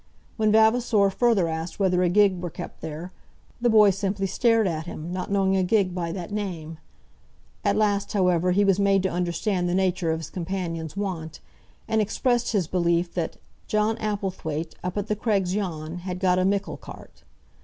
When Vavasor further asked whether a gig were kept there, the boy simply stared at him, not knowing a gig by that name. At last, however, he was made to understand the nature of his companion's want, and expressed his belief that "John Applethwaite, up at the Craigs yon, had got a mickle cart."